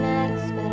berettes kecilnya ya